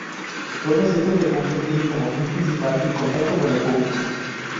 Todos estos recursos tienen como fin principal el contacto con el público.